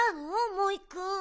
モイくん。